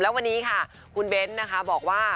แล้ววันนี้ค่ะคุณเบ้นนะคะบอกว่า